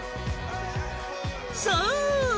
［そう］